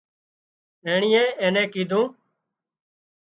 اينڻيئي اين نين ڪيڌُون